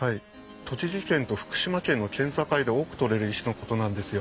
栃木県と福島県の県境で多く採れる石のことなんですよ。